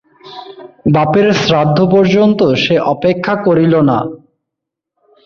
বাপের শ্রাদ্ধ পর্যন্ত সে অপেক্ষা করিল না!